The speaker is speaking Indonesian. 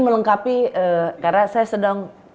melengkapi karena saya sedang